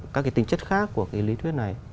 các cái tính chất khác của cái lý thuyết này